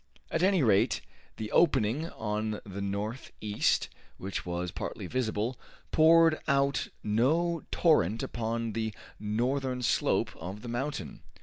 At any rate, the opening on the northeast, which was partly visible, poured out no torrent upon the northern slope of the mountain.